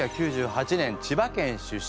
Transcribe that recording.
１９９８年千葉県出身。